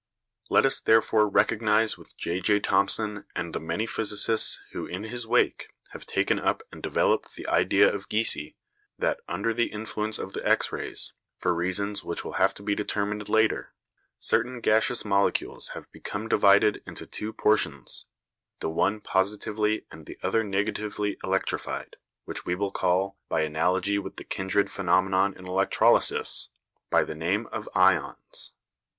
] Let us therefore recognise with J.J. Thomson and the many physicists who, in his wake, have taken up and developed the idea of Giese, that, under the influence of the X rays, for reasons which will have to be determined later, certain gaseous molecules have become divided into two portions, the one positively and the other negatively electrified, which we will call, by analogy with the kindred phenomenon in electrolysis, by the name of ions.